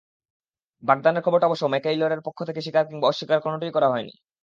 বাগদানের খবরটা অবশ্য ম্যাকইলরয়ের পক্ষ থেকে স্বীকার কিংবা অস্বীকার কোনোটিই করা হয়নি।